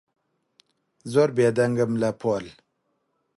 زۆر بێدەنگم لە پۆل.